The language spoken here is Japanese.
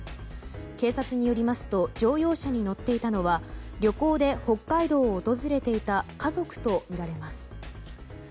警察によりますと乗用車に乗っていたのは旅行で北海道を訪れていた家族とみられます。